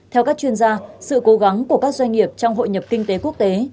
theo các chuyên gia sự cố gắng của các doanh nghiệp trong hội nhập kinh tế quốc tế